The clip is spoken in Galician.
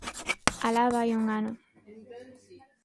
Alá vai un ano!